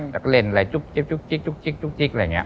แล้วก็เล่นอะไรจุ๊บจิ๊บจุ๊บจิ๊บจุ๊บจิ๊บจุ๊บจิ๊บอะไรอย่างนี้